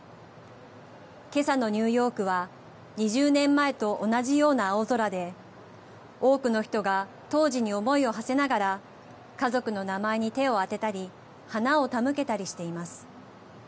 けさのニューヨークは２０年前と同じような青空で多くの人が当時に思いをはせながら家族の名前に手を当てたり花を手向けたりしています。